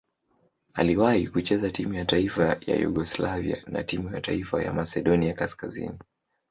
Aliwahi kucheza timu ya taifa ya Yugoslavia na timu ya taifa ya Masedonia Kaskazini.